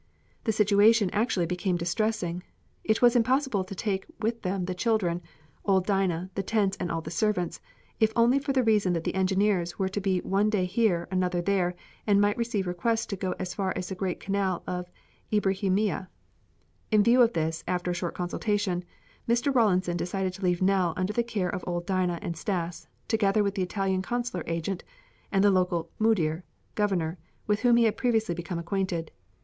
The situation actually became distressing. It was impossible to take with them the children, old Dinah, the tents, and all the servants, if only for the reason that the engineers were to be one day here, another there, and might receive requests to go as far as the great canal of Ibrâhimiyeh. In view of this, after a short consultation Mr. Rawlinson decided to leave Nell under the care of old Dinah and Stas, together with the Italian consular agent and the local "Mudir" (governor) with whom he had previously become acquainted.